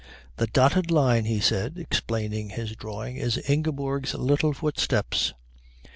"The dotted line," he said, explaining his drawing, "is Ingeborg's little footsteps."